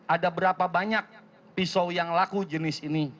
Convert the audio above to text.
ada berapa banyak pisau yang laku jenis ini